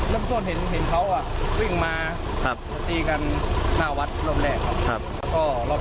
เริ่มต้นเห็นเห็นเขาอ่ะวิ่งมาครับตีกันหน้าวัดรอบแรกครับครับ